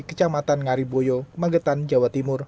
kecamatan ngariboyo magetan jawa timur